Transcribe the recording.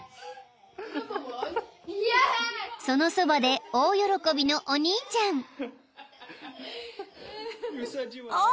［そのそばで大喜びのお兄ちゃん］